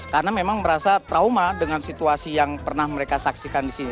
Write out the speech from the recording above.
karena memang merasa trauma dengan situasi yang pernah mereka saksikan di sini